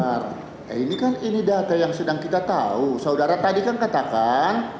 nah ini kan ini data yang sedang kita tahu saudara tadi kan katakan